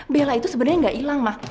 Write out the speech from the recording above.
bella itu sebenernya gak ilah